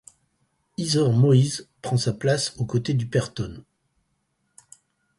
Heather Moyse prend sa place au côté d'Upperton.